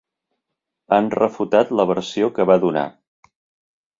Han refutat la versió que va donar.